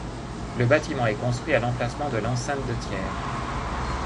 Le bâtiment est construit à l'emplacement de l'enceinte de Thiers.